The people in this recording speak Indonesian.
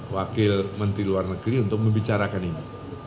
wakil menteri luar negeri untuk membicarakan ini